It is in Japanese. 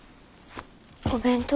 お弁当？